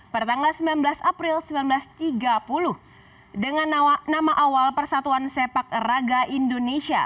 pada tanggal sembilan belas april seribu sembilan ratus tiga puluh dengan nama awal persatuan sepak raga indonesia